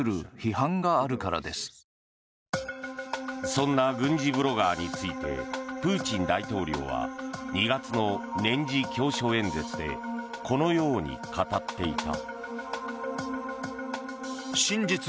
そんな軍事ブロガーについてプーチン大統領は２月の年次教書演説でこのように語っていた。